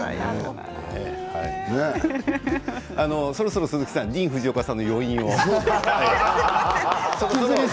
そろそろ鈴木さんディーン・フジオカさんの余韻をね。